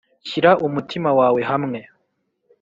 Shyira umutima wawe hamwe